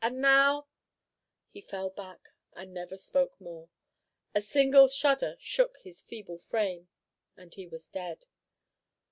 And now " He fell back, and never spoke more. A single shudder shook his feeble frame, and he was dead.